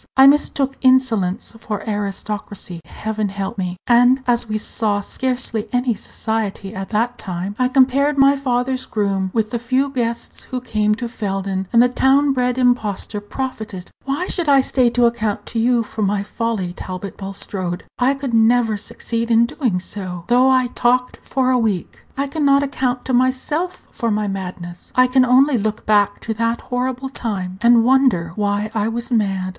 I mistook insolence for aristocracy; Heaven help me! And, as we saw scarcely any society at that time, I compared my father's groom with the few guests who came to Felden, and Page 152 the town bred impostor profited by comparison with rustic gentlemen. Why should I stay to account to you for my folly, Talbot Bulstrode? I could never succeed in doing so, though I talked for a week; I can not account to myself for my madness. I can only look back to that horrible time, and wonder why I was mad."